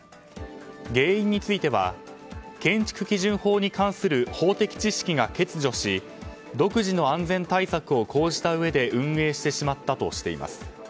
原因については建築基準法に関する法的知識が欠如し独自の安全対策を講じたうえで運営してしまったとしています。